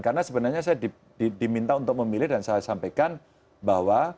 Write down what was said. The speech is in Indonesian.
karena sebenarnya saya diminta untuk memilih dan saya sampaikan bahwa